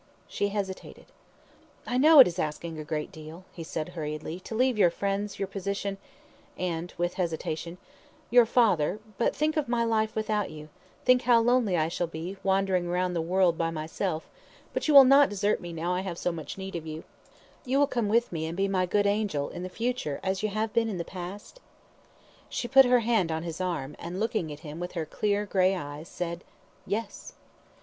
She hesitated. "I know it is asking a great deal," he said, hurriedly, "to leave your friends, your position, and" with hesitation "your father; but think of my life without you think how lonely I shall be, wandering round the world by myself; but you will not desert me now I have so much need of you you will come with me and be my good angel in the future as you have been in the past?" She put her hand on his arm, and looking at him with her clear, grey eyes, said "Yes!"